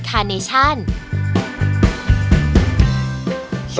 สวัสดีครับพี่นอส